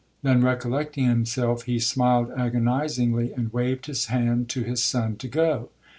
Then recollecting himself, he smiled agonizingly, and waved his hand to his son to go.